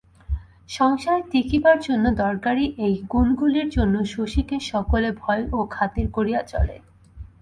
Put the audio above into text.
সংসারে টিকিবার জন্য দরকারি এই গুণগুলির জন্য শশীকে সকলে ভয় ও খাতির করিয়া চলে।